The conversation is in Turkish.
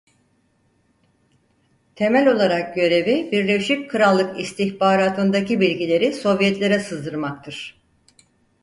Temel olarak görevi Birleşik Krallık istihbaratındaki bilgileri Sovyetlere sızdırmaktır.